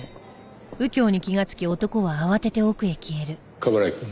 冠城くん。